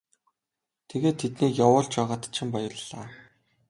Тэгээд тэднийг явуулж байгаад чинь баярлалаа.